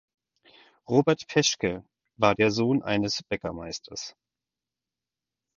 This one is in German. Robert Peschke war der Sohn eines Bäckermeisters.